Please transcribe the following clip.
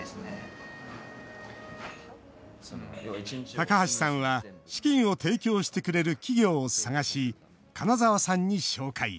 高橋さんは資金を提供してくれる企業を探し、金澤さんに紹介。